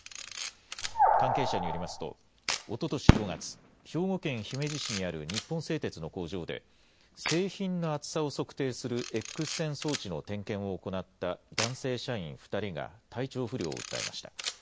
関係者によりますと、おととし５月、兵庫県姫路市にある日本製鉄の工場で、製品の厚さを測定するエックス線装置の点検を行った男性社員２人が、体調不良を訴えました。